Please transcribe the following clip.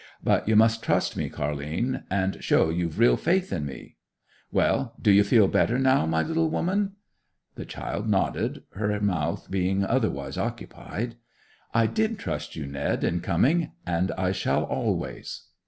But you must trust me, Car'line, and show you've real faith in me. Well, do you feel better now, my little woman?' The child nodded, her mouth being otherwise occupied. 'I did trust you, Ned, in coming; and I shall always!